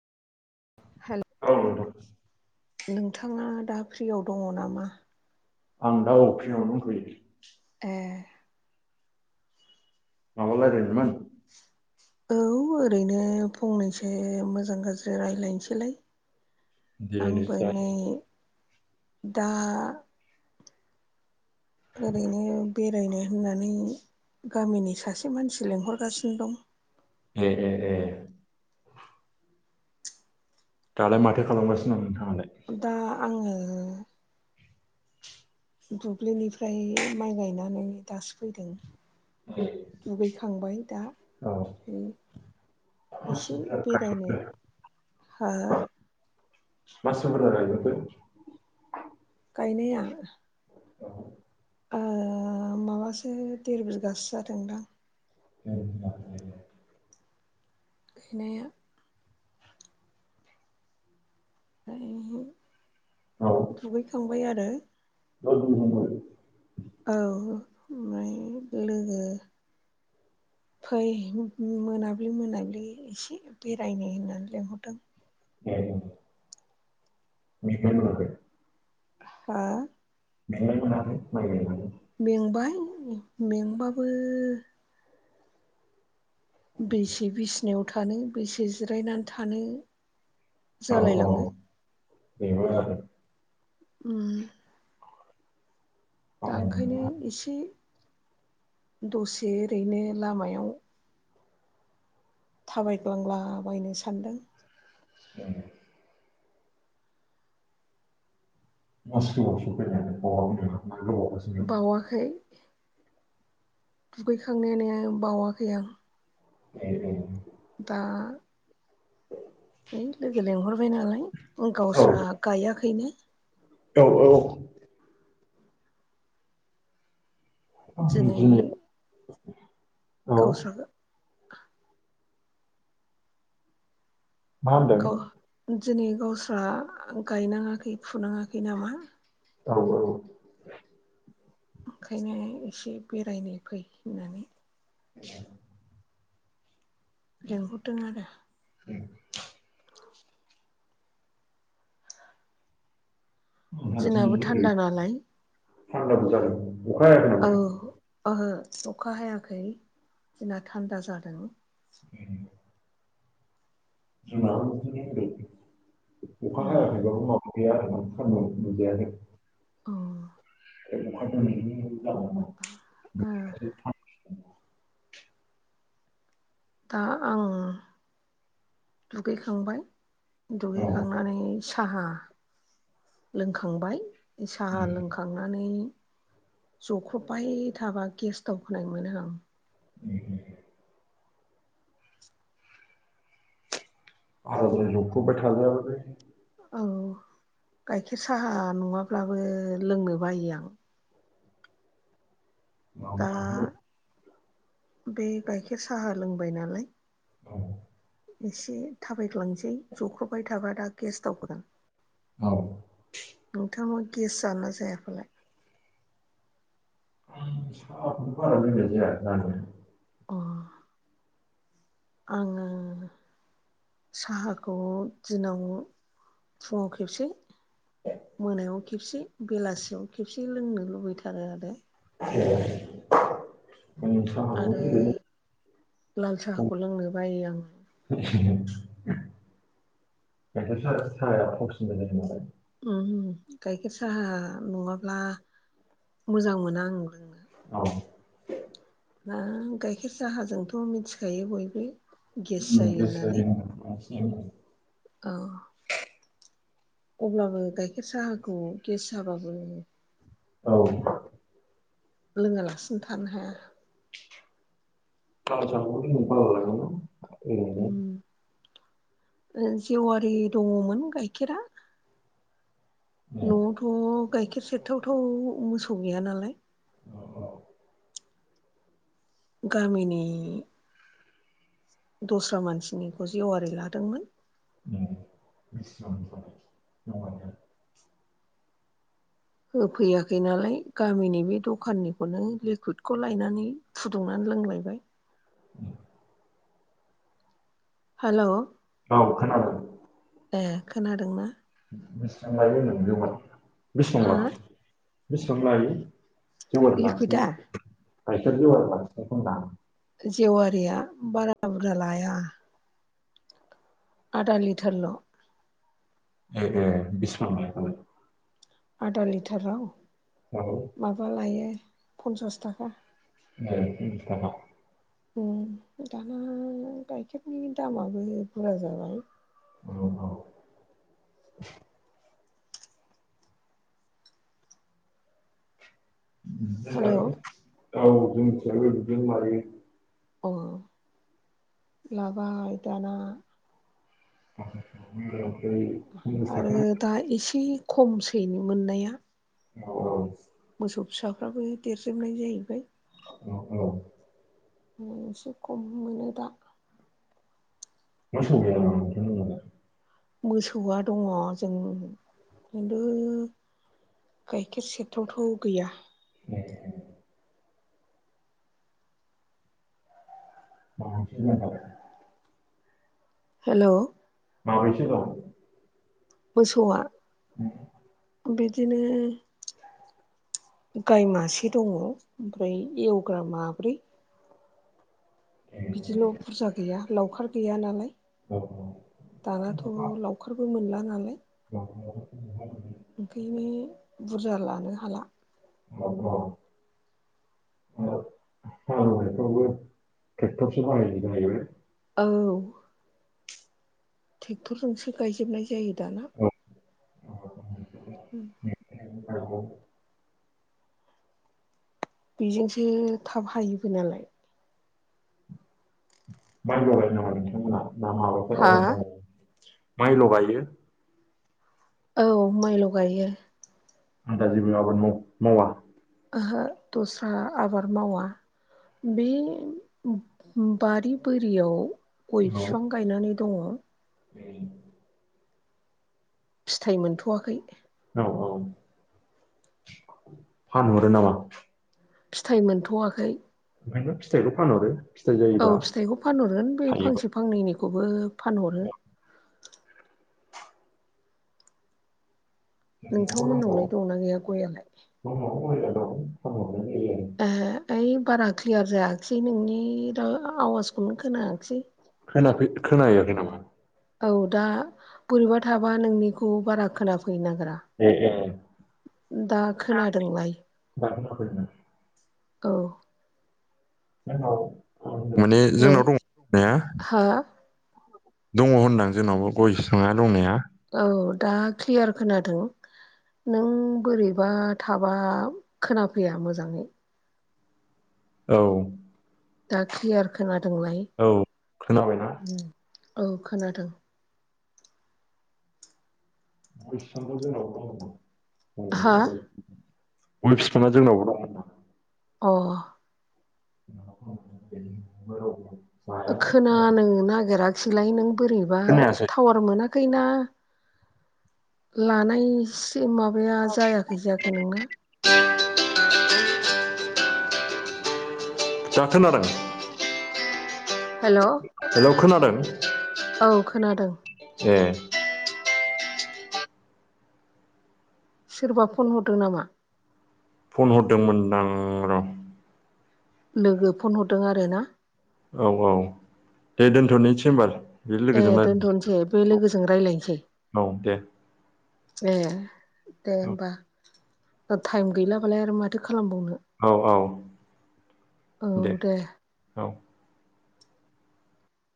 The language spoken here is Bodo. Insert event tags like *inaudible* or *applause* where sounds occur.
हेल'। औ नोंथां। नोंथाङा दा फ्रियाव दङ नामा? आं दा औ फ्रियावनो दोंथ'यो। ए। माबा रायलायनो मोन? औ ओरैनो फंनैसो मोजां गाज्रि रायज्लायनोसैलाय। दे दे आंबो जायो नै दा ओरैनो बेरायनो होननानै गामिनि सासे मानसि लेंंहरगासिनो दं ए ए दालाय माथो खालामगासिनो दं नोंथाङालाय दा आङो दुब्लिनिफ्राय माइ गायनानै दासो फैदों। ए दुगैखांबाय दा औ ओमफ्राय एसे बेरायनो हो मा सोमोन्दै आइजोफीर गायनाया औ। आ माबासो देर बिगासो जादोंदां। *inaudible* गैनाया। *inaudible* औ। दुगैखांबाय आरो। *unintelligible* औ ओमफाय लोगो फै मोनाब्लि मोनाब्लि एसे बेरायनो होननानै लिंहरदों। *unintelligible* *unintelligible* हा? मेंनाय मोनाखै माइ गायनानै? मेंबाय मेंबाबो। बेसे बिसिनायाव थानो बेसे जिरायनानै थानो औ औ जालायलाङो। बेबो आरो। उम। दा ओंखायनो एसे दसे ओरैनो लामायाव। थाबायग्लांलाबायनो सानदों। ओं *unintelligible* बावाखै। दुगैखांनायानो बावाखै आं। *unintelligible* दा *inaudible* है लोगो लेंहरबाय नालाय औ गावस्रा गायाखैनो। औ औ दिनै बिदिनो *inaudible* गावस्राखो मा होनदों गाव दिनै गावस्रा गायनाङाखै फुनाङाखै नामा? औ औ ओंखायनो एसे बेरायनो फै होननानै *inaudible* लेंहरदों आरो *inaudible* मानसिनि दिनाबो थान्दा मोदोम नालाय थान्दाबो जादों अखा हायाखै? औ नामा ओहो अखा हायाखै जोंना थान्दा जादों। *inaudible* जोंनाबो बिदिनो दिनै अखा उम हायाखैबाबो माबा गैया आरोना सान्दुं नुजायाखै। औ। ओ *unintelligible* दा आं दुगैखांबाय औ उम दुगैखांनानै साहा लोंखांबाय साहा लोंखां खांनानै जख्रबबाय थाबा गेस दावखोनाय मोनो आं। *inaudible* आज्राय जख्रबबाय थाजायाबोलै। औ गाइखेर साहा नङाब्लाबो लोंनो बायो आं। दा मावजागौ बे गाइखेर साहा लोंबाय नालाय औ एसे थाबायग्लांसै जख्रबबाय थाबा दा गेस दावखोगोन। औ नोंथांनाव गेस जायोना जाया फालाय साहाखौबो बारा लोंनाय जायाना आङो। अ आङो साहाखौ दिनाव फुङाव खेबसे मोनायाव खेबसे बेलासियाव खेबसे लोंनो लुबैथारो आरो। *inaudible* माने साहाखौनो आरो ओरैनो लाल सम साहाखौ लोंनो बायो आङो। गाइखेर साहा साहाया थावसिन जायो नालाय। उम गाइखेर साहा नङाब्ला मोजां मोना आंङो। औ ना गाइखेर साहाजोंथ' मिथिखायो बयबो गेस उम गेस होननानै जायो गाइखेर साहा लोंबा *unintelligible* औ अब्लाबो गाइखेर साहाखौ गेस जाबाबो औ लोङालासिनो थानो हाया? *unintelligible* लोंनो बाबावो ओरैनो। उम‌ जेवारि दङमोन गाइखेरा। न'आवथ' गाइखेर सेरथावथाव मोसौ गैया नालाय। औ औ। गामिनि दस्रा मानसिनिखौ जेवारि लादोंमोन। उम बिसिबांनिफ्राय जेवारिया? होफैयाखै नालाय गामिनि बे दखाननिखौनो लिकुइदखौ लायनानै फुदुंनानै लोंलायबाय। *inaudible* हेल'। औ खोनादों। ए खोनादोंना? बेसेबां लायो होनदों जेवारिखौ बेसेबां हा लादों बेसेबां लायो? जेवारि लिकुइदा लाखिनाया गाइखेर जेवारि लाखिनायखौ होनदां। जेवारिया बारा बुरजा लाया। आदा लिटारल'। ए ए बिसिबां बेयावलाय? आदा लिटाराव? औ। माबा लायो पन्सास थाखा। जोंनिया बिथिं बिसथागा। उम दाना गाइखेरनि दामाबो बुरजा जाबाय। औ औ। हेलौ बिदिनोगोजालै औ जोंथियो बिदिनो मारियो। अ लाबाय दाना। लिटारावसो पन्सास आरो थाखा। दा एसे खमसैनो मोननाया। औ। मोसौ फिसाफ्राबो देरजोबनाय जाहैबाय। औ। मोनसे खम मोनो दा। मोसौ गैया नामा *unintelligible* मोसौआ दङ जों खिन्थु गाइखेर सेरथावथाव गैया। ए। म हेल' माबैसे दं मोसौआ उम बिदिनो गाइ मासे दङ ओमफ्राय एवग्रा माब्रै बिदिल' बुरजा गैया लावखार गैया नालाय। औ औ। दानाथ' लावखारबो मोनला नालाय। *unintelligible* ओंखायनो बुरजा लानो हाला। अ अ। हालौनायफोरावबो तेकठर सो बाहाय जोबो औ ट्रेक्टरजोंसो गायजोबनाय जायो दाना उम औ बेजोंसो थाब हायोबो नालाय माइ लगाय नङा नोंथांमोना ना माबाफोर हा आबाद माव माइ लगायो औ माइल' गायो आलदा जेबो आबाद माव मावा ओहो दस्रा आबाद मावा बे बारि बोरियाव गय बिफां गायनानै दङ उम फिथाइ मोनथ'आखै औ औ फानहरो नामा फिथाइ मोनथ'आखै ओंखायनोथ' फिथाइखौ फानहरो औ फिथाइखौ फानहरगोन बे फांसे फांनैनिखौबो फानहरो नोंथांमोननावलाय दंना गैया गयलाय दं ए ओइ बारा क्लियार जायाखसै नोंनि आवाजखौनो खोनायाखिसै खोनाफै-खोनाहैआखै नामा औ दा बोरैबा थाबा नोंनिखौ बारा खोनाफै नागिरा ए ए दा खोनादोंलाय दाबो लाबोदों औ माने नै जोंनाव दं दंनाया हा दङ होनदां जोंनावबो गय फिङा दंनाया औ दा क्लियार खोनादों नों बोरैबा थाबा खोनाफैया मोजाङै औ दा क्लियार खोनादोंलाय औ खोनादों ना? औ खोनादों गोसोखांबा *unintelligible* हा गय बिफांङा जोंनावबो दं अ *unintelligible* खोनानो नागिराखिसैलाय नों बोरैबा खोनायासै टावार मोनाखै ना लानायसो माबाया जायाखै जाखो नोंना? *inaudible* दा खोनादों? हेल' हेलौ खोनादों? औ खोनादों ए सोरबा फन हरदों नामा? फन हरदोंमोनदां र' लोगो फन हरदों आरोना औ औ दे दोनथ'नोसै होम्बा ओ दोनथ'नोसै बे लोगोजों रायजलायनोसै। औ दे ए दे होनबा। टाइम गैलाबालाय आरो माथो खालामबावनो? औ औ दे औ।